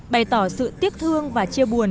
bày tỏ sự tiếc thương và chia buồn